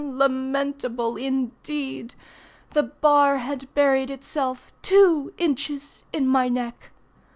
Lamentable indeed! The bar had buried itself two inches in my neck.